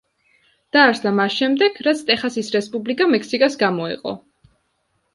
დაარსდა მას შემდეგ, რაც ტეხასის რესპუბლიკა მექსიკას გამოეყო.